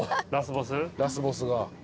ラスボスが。